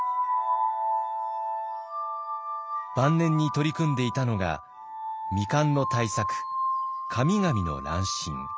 晩年に取り組んでいたのが未完の大作「神々の乱心」。